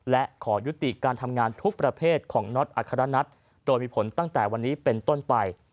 และขอยุติการทำงานทุกประเภทของน็อตอัครนัทโดยมีผลตั้งแต่วันนี้เป็นต้นไป